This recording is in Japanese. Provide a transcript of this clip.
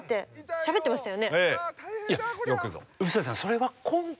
しゃべってましたよ。